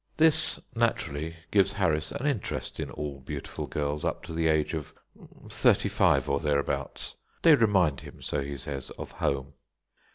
This naturally gives Harris an interest in all beautiful girls up to the age of thirty five or thereabouts; they remind him, so he says, of home.